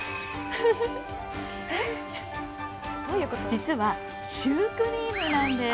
実はシュークリームなんです！